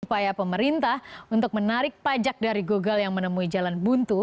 upaya pemerintah untuk menarik pajak dari google yang menemui jalan buntu